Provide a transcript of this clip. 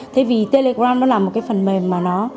thế thì telegram nó là một cái phần mềm mà nó